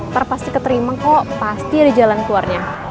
terpasti keterima kok pasti ada jalan keluarnya